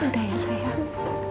udah ya sayang